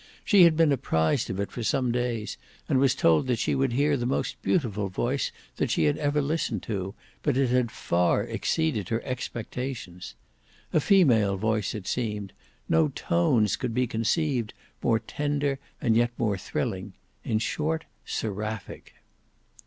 She had been apprised of it for some days, was told that she would hear the most beautiful voice that she had ever listened to, but it had far exceeded her expectations. A female voice it seemed; no tones could be conceived more tender and yet more thrilling: in short seraphic.